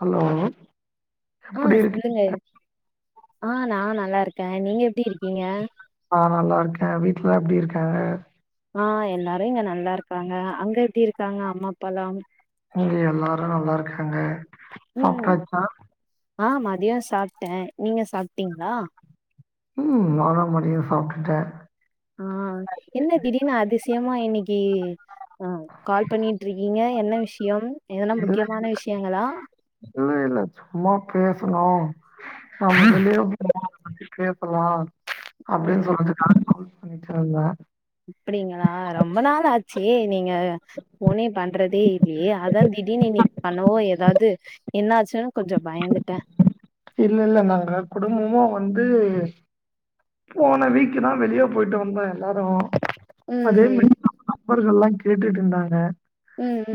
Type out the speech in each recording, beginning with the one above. Hello ஆ எப்டி இருக்கீங்க சொல்லுங்க ஆ நா நல்லாருக்க நீங்க எப்டி இருக்கீங்க ஆ நல்லாருக்க வீட்லலா எப்டி இருக்காங்க ஆ எல்லாரும் இங்க நல்லா இருக்காங்க அங்க எப்டி இருக்காங்க அம்மா அப்பாலாம் இங்க எல்லாரு நல்லா இருக்காங்க ம் சாப்ட்டாச்சா ஆ மதிய சாப்பிட்ட நீங்க சாப்ட்டீங்களா ம் நாலா மதிய சாப்ட்டுட்டே ஆ என்ன திடீர்னு அதிசயமா இன்னைக்கி ஆ கால் பண்ணிட்ருக்கீங்க என்ன விஷயம் எதன்னா இல்ல முக்கியமான விஷயங்களா இல்ல இல்ல சும்மா பேசுனோ [unintelligible] பேசுலா அப்டின் ம் சொல்றதுக் [unintelligible] அப்படிங்களா ரொம்ப நாள் ஆச்சு நீங்க போனே பண்றதே இல்லையே அதா திடீனு இன்னிக் பண்ணவோ எதாவது என்னாச்சுன் கொஞ்சோ பயந்துட்ட இல்ல இல்ல நாங்க குடும்பமு வந்து போன வீக்கு தா வெளியே போயிட்டு வந்தோ எல்லாரு ம் அதே ம் [inaudible] நண்பர்கள்லா கேட்டுட்ருந்தாங்க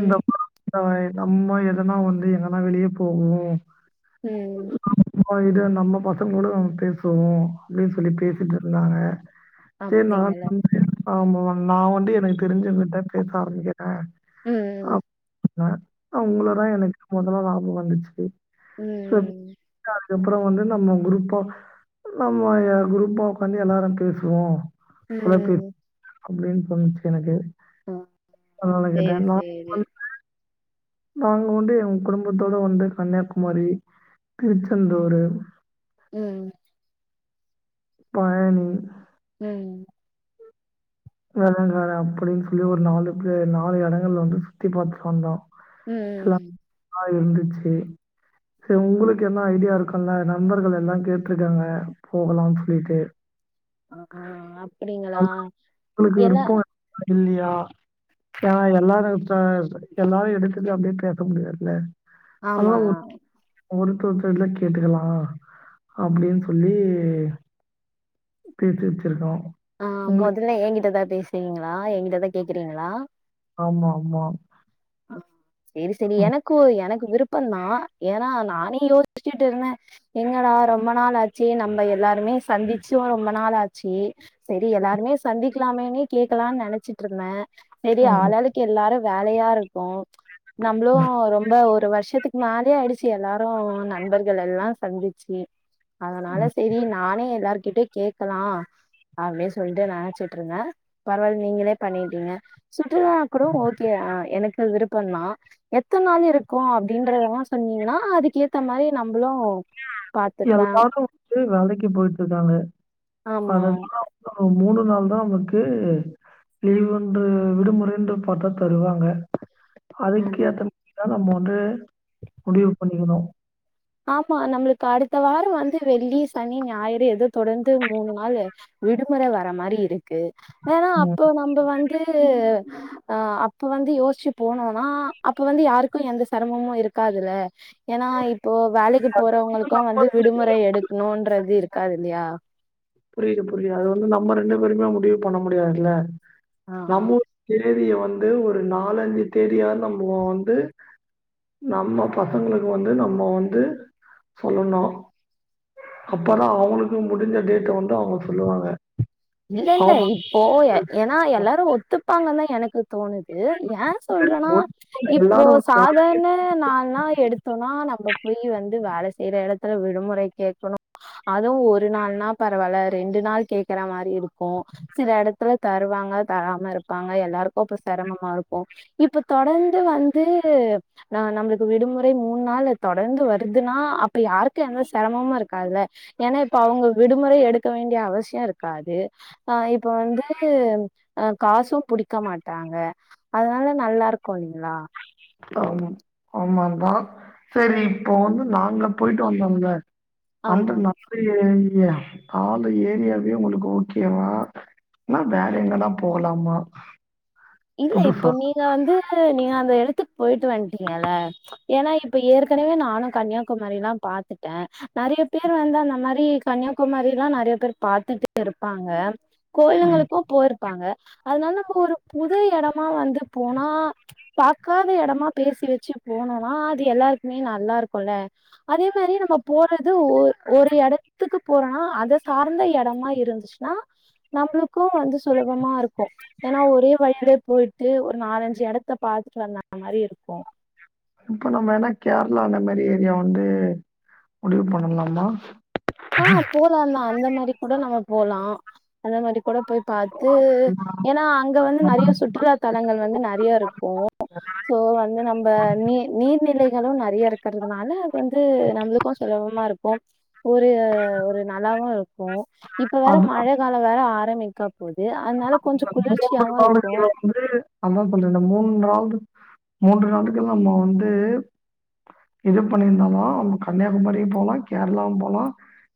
இந்த மா தமாரி நம்ம எதனா வந்து எங்கனா வெளிய போவோ ம் மோ இது நம்ம பசங்க கூட பேசுவோ அப்டி சொல்லி பேசிட்ருந்தாங்க சேரி நா அப்டிங்களா [inaudible] ஆமா நா வந்து எனக்கு தெரிஞ்சவங்கிட்ட பேச ஆரம்பிக்க ற ம். அப் சொன்ன ம். அவுங்களதா எனக்கு மொதல்லா ஞாபகோ வந்துச்சு ம். [inaudible] அதுக்கப்றோ வந்து நம்ம குரூப்பா நம்மோ ய குரூப்பா உக்காந்து எல்லாரு பேசுவோ தொல பே ம். அப்படின்னு தோனுச்சு எனக்கு ஆஹ் அதனால சேரி கேட்டேன். நான் சேரி வந்து நாங்க வந்து எங்க குடும்பத்தோட வந்து கன்னியாகுமரி திருச்சந்தூரு ம் பழனி ம் வெளங்காடு அப்படின் சொல்லி ஒரு நாலு ப்ளே நாலு எடங்கள் வந்து சுத்தி பாத்துட் வந்தோ எல்லா ம். [inaudible] இருந்துச்சு செரி உங்களுக்கென்னா ஐடியா இருக்குல நண்பர்கள் எல்லா கேட்ருக்காங்க போகலாம் சொல்லிட்டு ஆஹா அப்படிங்களா என்ன இல்லியா ஏனா எல்லாரு இப்ப எல்லாரு எடுத்தது அப்டியே பேச முடியாதுல ஆமா. அதனால ஒ ஒருத்தொருத்தர்ட்டலா கேட்டுக்கலா அப்டின் சொல்லி பேசி வெச்சிருக்கோ ஆஹ் மொதல்ல என் கிட்டதா பேசுறீங்களா என் கிட்டதா கேக்குறீங்களா ஆமா ஆமா ஆஹ் சேரி சேரி ம், எனக்கு எனக்கு விருப்பந்தா ஏனா நானே யோசிச்சுட்டு இருந்த எங்கடா ரொம்ப நாளாச்சு நம்ம எல்லாருமே சந்திச்சு ரொம்ப நாள் ஆச்சு செரி எல்லாருமே சந்திக்கலாமேன்னே கேக்கலான் நெனச்சிட்ருந்த செரி ம், ஆள் ஆளுக்கு எல்லாரு வேலையா இருக்கோ நம்பளு ரொம்ப ஒரு வருஷத்துக்கு மேலயே ஆயிடுச் ச்சு எல்லாரு நண்பர்கள் எல்லா சந்திச்சு அதனால ம். சேரி நானே எல்லார் கிட்டயு கேக்கலா அப்டி சொல்ட்டு நெனச்சிட்ருந்த பரவால் நீங்களே பண்ணிட்டீங்க சுற்றுலா கூட ஓகே ஆஹ் எனக்கு விருப்பந்தா எத்த நாள் இருக்கு அப்டின்றதல்லா சொன்னீங்கன்னா அதுக்கேத்த மாரி நம்பளு பாத்துக்லா எல்லாரு வந்து வேலைக்கு போய்ட்ருக்காங்க ஆமா அதனால மூணு நாள் தா நமக்கு லீவுன்று விடுமுறைன்று பாத்தா தருவாங்க ஆம் அதுக்கு ஏத்த மாரிதா நம்ம வந்து முடிவு பண்ணிக்கணு ஆமா நம்மளுக்கு அடுத்த வாரோ வந்து வெள்ளி சனி ஞாயிறு எதோ தொடர்ந்து மூணு நாள் விடுமுற வர மாரி இருக்கு வேனா ம். அப்போ நம்ப வந்து ஆஹ் அப்ப வந்து யோசிச்சு போனோனா அப்ப வந்து யாருக்கு எந்த செரமமு இருக்காதுல்ல ஏன்னா இப்போ வேலைக்கு அது போறவங்களுக்கு நம்ம வந்து பேரும் விடுமுறை எடுக்கணுன்றது இருக்காது இல்லையா புரியுது புரியுது அது வந்து நம்ம ரெண்டு பேருமே முடிவு பண்ண முடியாதுல்ல ஆ ஆ நம்மோ தேதிய வந்து ஒரு நாலஞ்சு தேதியா நம்மோ வந்து நம்ம பசங்களுக்கு வந்து நம்ம வந்து சொல்லணு அப்பதா அவ்ங்களுக்கு முடிஞ்ச டேட்டை வந்து அவங்க சொல்லுவாங்க இல்ல இல்ல ஆமா. இப்போ ஏன்னா எல்லாரு ஒத்துப்பாங்கன்தா எனக்கு தோணு து ஏ சொல்றேன்னா இப்போ எல்லாரும் வந்து வேலைக்கு சாதாரண நாள்னா எடுத்தோனா நம்ம போய் வந்து வேல செய்யற எடத்துல விடுமுறை கேக்கணு அதுவு ஒரு நாள்ன்னா பரவாயில்ல ரெண்டு நாள் கேக்குற மாரி இருக்கு சில எடத்துல தருவாங்க தராம இருப்பாங்க எல்லாருக்கு அப்ப செரமமா இருக்கு இப்ப தொடந்து வந்து நா நம்மளுக்கு விடுமுறை மூணு நாளு தொடர்ந்து வருதுன்னா அப்ப யாருக்கு எந்த செரமமா இருக்காதுல்ல ஏன்னா இப்ப அவங்க விடுமுறை எடுக்க வேண்டிய அவசியோ இருக் காது அ இப்ப வந்து அ காசும் புடிக்க மாட்டாங்க அதனால நல்லா இருக்கு இல்லீங்களா ஆ ஆமாந்தா சரி இப்போ வந்து நாங்க போயிட்டு வந்தோம்ல அந்த ஆமா நாலு ஏரியா நாலு ஏரியாவே உங்களுக்கு ஓகே வா இன்னா வேற எங்கல்லா போகலாமா இல்ல இப்போ புதுசா? நீங்க வந்து நீங்க அந்த எடத்துக்கு போயிட்டு வன்ட்டீங்கல ஏன்னா இப்ப ஏற்கனவே நானு கன்னியாகுமாரி எல்லா பாத்துட்டே நெறைய பேர் வந்து அந்த மாரி கன்னியாகுமாரி எல்லா நெறைய பேர் பாத்துட்டு இருப்பாங்க கோயிலுங்களுக்கு போயிருப்பாங்க அதனால நம்ம ஒரு புது எடமா வந்து போனா பாக்காத எடமா பேசி வச்சு போனோனா அது எல்லாருக்குமே நல்லா இருக்குல்ல அதே மாரி நம்ம போறது ஒரு ஒரு எடத்துக்கு போறோம்னா அத சார்ந்த எடமா இருந்துச்சு னா நம்மளுக்கு வந்து சுலபமா இருக்கு ஏன்னா ஒரே வழியிலே போயிட்டு ஒரு நாலஞ்சு எடத்த பாத்துட்டு வந்தா மாரி இருக்கு இப்ப நம்ம என்னா கேரளா அந்த மாரி ஏரியா வந்து முடிவு பண்ணலாமா ஆ போலா எல்லா அந்த மாரி கூட நம்ம போலா அந்த மாரி கூட போய் பாத் து ஏன்னா அங்க வந்து ஆமா. நெறைய சுற்றுலா தளங்கள் வந்து நெறைய இருக்கு சோ வந்து நம்ம நீ நீர்நிலைகளு நெறைய இருக்கிறதுனால வந்து நம்மளுக்கு சுலபமா இருக்கும் ஒரு ஒரு நல்லாவு இருக்கு இப்ப வேற அது மழ காலோ வேற ஆரம்பி க்கா போது அதனால கொஞ்சோ குளிர்ச்சியாவு இருக்கு அதா வந்து இந்த மூணு நாள் மூன்று நாட்கள் நம்ம வந்து இது பண்ணியிருந்தாலு நம்ம கன்னியாகுமரியு போலா கேரளாவு போலா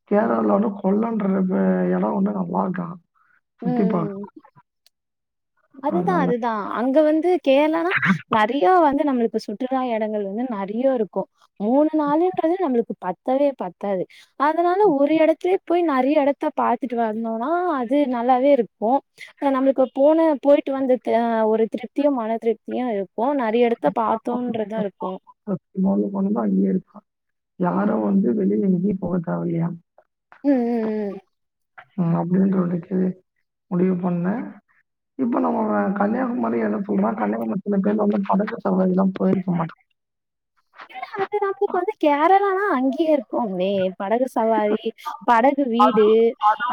கேரளால வந்து கொல்லன்ற எடோ வந்து நல்லா இருக்கா ம் ம் ம் அதுதா அதனால அதுதா அங்க வந்து கேரளானா ந டியோ வந்து நம்மளுக்கு சுற்றுலா எடங்கள் வந்து நெறைய இருக்கு மூணு நாளுன்றது நம்மளுக்கு பத்தவே பத்தாது அதனால ஒரு எடத்துலயே போய் நெறைய எடத்த பாத்துட்டு வந்தோம்னா அது நல்லாவே இருக்கு ஆ நம்ளுக்குப் போன போயி்ட்டு வந்த அ ஒரு திருப்தியு மன திருப்தியு இருக்கு நெறைய எடத்த பாத்தோன்றது இருக்கு ஆ [unintelligible] போனன்னா அங்கயே இருக்கா யாரு வந்து வெளில எங்கியு போக தேவ இல்லையா ம் ம் ம் அப்டின்ற வரைக்கி முடிவு பண்ண இப்ப நம்ம கன்னியாகுமரி என்ன சொல்றா கன்னியாகுமரி சில பேர் வந்து படகு சவாரில்லா போயிருக்க மாட்டோ இல்ல அது நமக்கு இப்ப வந்து கேரளாலான்னா அங்கேயே இருக்குமே படகு சவாரி படகு அது வீடு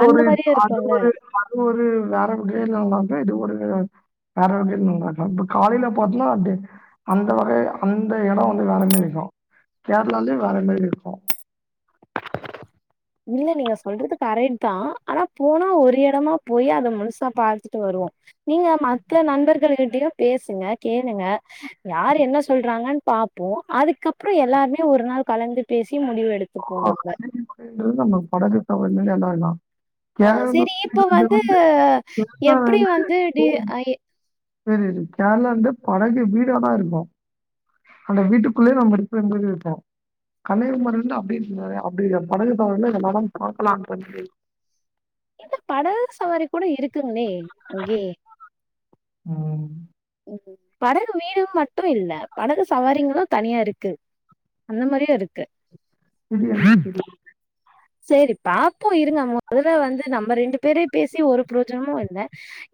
அந்த ஒரு மாரியே அது இருக்குல்ல ஒரு அது ஒரு வேற விட இல்லல்லாம இது ஒரு வேற வகையில நல்லா இருக்கலா இப்ப காலையில பாத்தனா அப்ட அந்த வகை அந்த எடோ வந்து வேற மேரி இருக்கு கேரளாலே வேற மேரி இருக்கு இல்ல நீங்க சொல்றதுக்கு கரெட் தா ஆனா போனா ஒரு எடமா போய் அத முழுசா பாத்துட்டு வருவோ நீங்க மத்த நண்பர்கள்ட்டயு பேசுங்க கேளுங்க யார் என்ன சொல்றாங்கன் பாப்போம் அதுக்கப்புற எல்லாருமே ஒரு நாள் கலந்து பேசி முடிவு எடுத்துப்போ நம்ம [unintelligible] நம்ம படகு [unintelligible] ஆ ன்னா சரி இப்ப வந்து எப்டி வந்து டி [unintelligible] அ எ- செரி கேரளா ந்து படகு வீடல்லா இருக்கு அந்த வீட்டுக்குள்ளயே நம்ம இருக்குற மேரி இருக்கு கன்னியாகுமாரில்லா அப்டின் நெறைய அப்டில்ல படகு சவாரில எல்லா எடாம பாக்கலான்றமாரி இந்த படகு சவாரி கூட இருக்குங்ளே அங்யே ம் படகு வீடும் மட்டு இல்ல படகு சவாரிங்ளு தனியாருக்கு அந்த மாரியு இருக்கு [inaudible] சேரி பாக்கர இருங்க மொதல்ல வந்து நம்ம ரெண்டு பேரே பேசி ஒரு புரோஜனமு இல்ல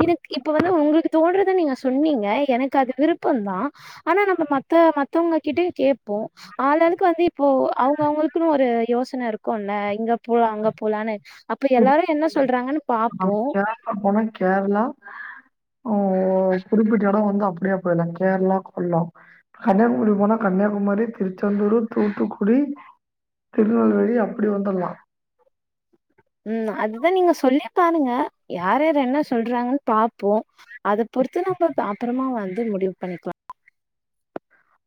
இதுக்கு இப்ப வந்து உங்களுக்கு தோன்றத நீங்க சொன்னீங்க எனக்கு அது விருப்பந்தா ஆனா நம்ம மத்த மத்தவங்ககிட்டயு கேப்போ ஆளாளுக்கு வந்து இப்போ அவ்ங்கவ்ங்களுக்குன் ஒரு யோசன இருக்குல்ல இங்க போலா அங்க போலான்னு அப்ப எல்லாரு என்ன சொல்றாங்கன்னு பாப்போ அ போனா கேரளா ஆ குறிப்பிட்ட எடோ வந்து அப்டியே போய்யில்லா கேரளா கொல்லோ கன்னியாகுமரி போனா கன்னியாகுமரி திருச்செந்தூரு தூத்துக்குடி திருநெல்வேலி அப்டி வந்துல்லா ம் அதுதா நீங்க சொல்லி பாருங்க யார் யார் என்ன சொல்றாங்கன் பாப்போ அது பொறுத்து நம்ம அப்பறமா வந்து முடிவு பண்ணிக்லா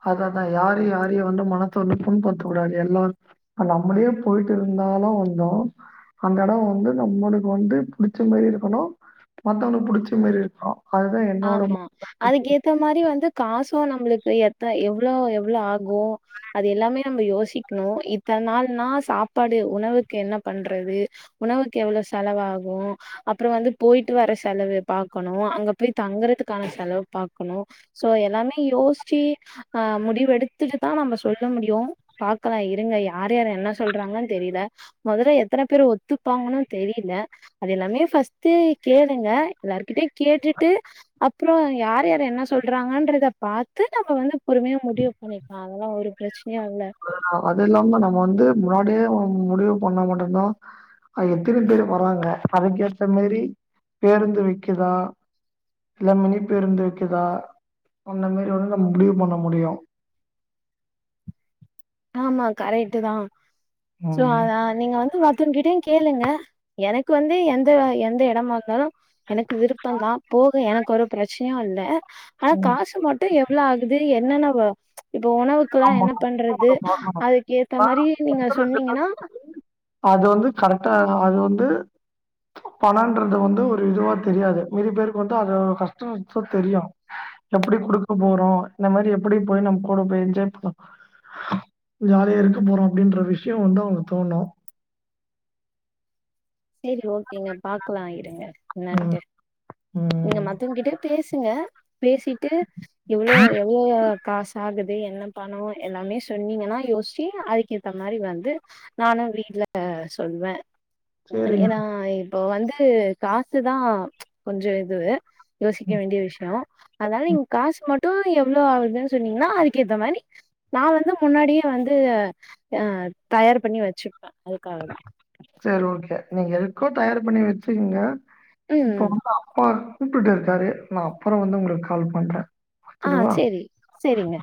அத்ததா யாரையு யரையு வந்து மனச வந்து புண் படுத்தக்கூடாது எல்லாரு நம்மளே போயிட்டு இருந்தாலு அங்க அந்த எடோ வந்து நம்மளுக்கு வந்து புடிச்ச மேரி இருக்கணு மத்தவங்களுக்கு புடிச்ச மேரி இருக்கணு ஆமா அதுக்கு ஏத் த மாரி வந்து காசும் நம்முளுக்கு எத்த எவ்ளோ எவ்ளோ ஆகு அது எல்லாமே நம்ம யோசிக்கணு இத்தன நாள்னா சாப்பாடு உணவுக்கு என்ன பண்றது உணவுக்கு எவ்ளோ செலவாகு அப்புற வந்து போயிட்டு வர செலவு பாக்கணு அங்க போய் தங்கறதுக்கான செலவு பாக்கணு சோ எல்லாமே யோஸ்ச்சி ஆ முடிவெடுத்துட்டு தா நம்ம சொல்ல முடியு பாக்கலா இருங்க யார் யார் என்ன சொல்றாங்கன் தெரில மொதல்ல எத்தன பேரு ஒத்துப்பாங்கன்னு தெரியல அது எல்லாமே ஃபஸ்ட்டு கேளுங்க எல்லார்கிட்டயு கேட்டுட் டு அப்புறோ யார் யார் என்ன சொல்றாங்கன்றத பாத்து நம்ம வந்து பொறுமையா முடிவு பண்ணிக்லா அதல்லா ஒரு பிரச்சனையு இல்ல அது இல்லாம நம்ம வந்து முன்னாடியே முடிவு பண்ணா மட்டுந்தா எத்தன பேரு வராங்க அதுக்கேத்த மேரி பேருந்து விக்குதா இல்ல மினி பேருந்து விக்கிதா அந்த மேரி வந்து நம்ம முடிவு பண்ண முடியு ஆமா கரெக்ட் தா சோ ம் அதா நீங்க வந்து மத்தவங்கிட்டயு கேளுங்க எனக்கு வந்து எந்த எந்த எடமா இருந்தாலு எனக்கு விருப்பம் தா போக எனக்கு ஒரு பிரச்சனையுல்ல ஆனா ம் காசு மட் டு எவ்ளோ ஆகுது என்னென்ன வ இப்ப உணவுக்குல்லா ஆமா என்ன பண்றது அதுக் ஏத்த மாரி நீங்க சொன்னீங்கன்னா அது வந்து கரெக்டா அது வந்து பணோன்றது வந்து ஒரு இதுவா தெரியாது மீதி பேருக்கு வந்தா அது கஷ்டநஷ்டோ தெரியு எப்டி குடுக்க போறோ இந்த மாரி எப்டி போய் நம்ம கூட போய் என்ஜாய் பண்ணப் ஜாலியா இருக்க போறோ அப்டின்ற விஷயோ வந்து அவங்ளுக்கு தோணு சேரி ஓகேங்க பாக்கலா இருங்க ம் என்னான்டு நீங்க ம் மத்தவங்க கிட்ட பேசுங்க பேசிட்டு இவ்ளோ எவ்ளோ காசு ஆகுது என்ன பணோ எல்லாமே சொன்னீங்கன்னா யோஸ்சி அதுக்கேத்த மாரி வந்து நானு வீட்ல சொல்வே சேரிங்க ஏன்னா இப்போ வந்து காசுதா கொஞ்சோ இதுவு யோசிக்க வேண்டிய விஷயோ அதனால நீங்க காசு மட்டு எவ்வளோ ஆகுதுன்னு சொன்னீங்கன்னா அதுக்கு ஏத்தா மாரி நா வந்து முன்னாடியே வந்து ஆ தயார் பண்ணி வச்சிப்பே அதுக்காக தா சேரி ஓகே நீங்க எதுக்கோ தயார் பண்ணி வெச்சுகுங்க இப்ப ம் வந்து அப்பா கூப்டு இருக்காரு நா அப்புறோ வந்து உங்களுக்கு கால் பண்றே ஆ சேரி சேரிங்க